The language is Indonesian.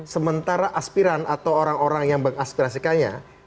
sementara aspiran atau orang orang yang mengaspirasikannya